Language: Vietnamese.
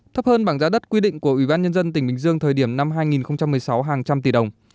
thấp hơn bảng giá đất quy định của ủy ban nhân dân tỉnh bình dương thời điểm năm hai nghìn một mươi sáu hàng trăm tỷ đồng